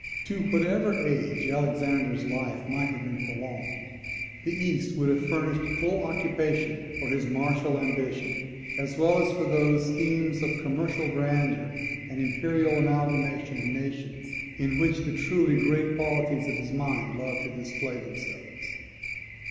To whatever age Alexander's life might have been prolonged, the East would have furnished full occupation for his martial ambition, as well as for those schemes of commercial grandeur and imperial amalgamation of nations, in which the truly great qualities of his mind loved to display themselves.